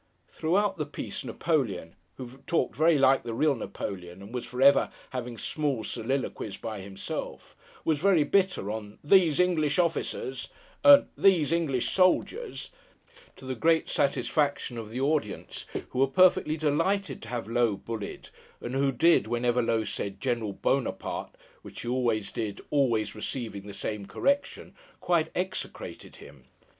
Throughout the piece, Napoleon (who talked very like the real Napoleon, and was, for ever, having small soliloquies by himself) was very bitter on 'these English officers,' and 'these English soldiers;' to the great satisfaction of the audience, who were perfectly delighted to have Low bullied; and who, whenever Low said 'General Buonaparte' (which he always did: always receiving the same correction), quite execrated him.